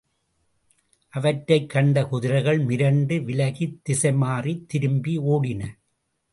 அவற்றைக் கண்ட குதிரைகள், மிரண்டு விலகித் திசைமாறித் திரும்பி ஓடின.